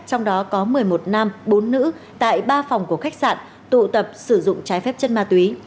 trong đó có một mươi một nam bốn nữ tại ba phòng của khách sạn tụ tập sử dụng trái phép chất ma túy